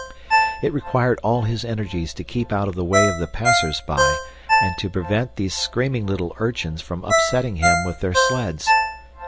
It required all his energies to keep out of the way of the passersby and to prevent those screaming little urchins from upsetting him with their sleds.